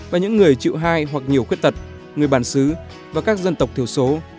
và những người chịu hai hoặc nhiều khuyết tật người bản xứ và các dân tộc thiểu số